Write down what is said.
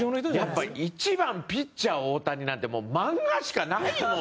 １番、ピッチャー、大谷なんてもう、漫画しかないもんね。